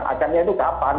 akannya itu kapan